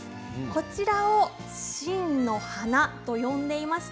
こちらを真の花と呼んでいます。